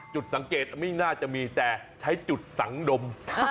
จุดสังเกตไม่น่าจะมีแต่ใช้จุดสังดม